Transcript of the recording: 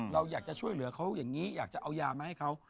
เราอยากจะช่วยเหลือเขาอย่างนี้อยากจะเอายามาให้เขา